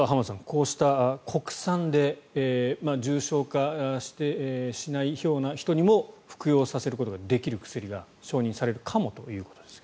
こうした国産で重症化しないようなひとにも服用させることができる薬も承認されるかもということです。